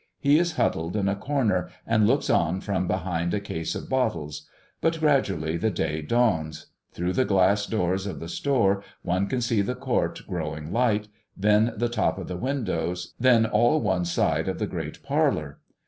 He is huddled in a corner, and looks on from behind a case of bottles. But gradually the day dawns. Through the glass doors of the store one can see the court growing light, then the top of the windows, then all one side of the great parlor.